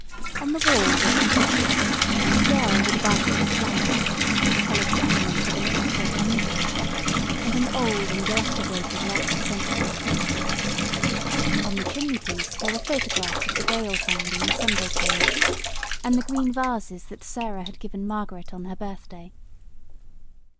On the wall were two pictures a girl with a basket of flowers, the coloured supplement of an illustrated newspaper, and an old and dilapidated last century print. On the chimney piece there were photographs of the Gale family in Sunday clothes, and the green vases that Sarah had given Margaret on her birthday.